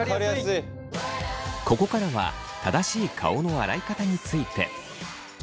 ここからは正しい顔の洗い方について。